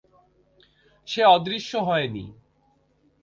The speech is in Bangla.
সে অদৃশ্য হয়নি।